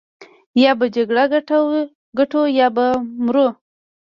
يا به جګړه ګټو يا به مرو.